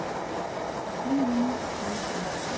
Бөгөн минең эшем күп